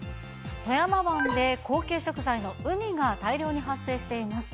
富山湾で高級食材のウニが大量に発生しています。